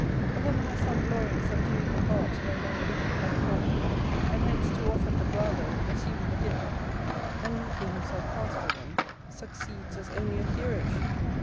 A woman has some glory in subduing a heart no man living can appall; and hence too often the bravo, assuming the hero, and making himself pass for one, succeeds as only a hero should.